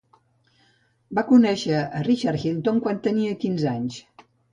Va conèixer a Richard Hilton quan tenia quinze anys.